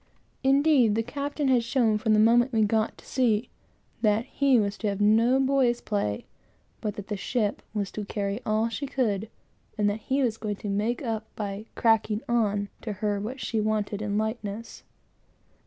Indeed, the captain had shown, from the moment we got to sea, that he was to have no boy's play, but that the ship had got to carry all she could, and that he was going to make up, by "cracking on" to her, what she wanted in lightness.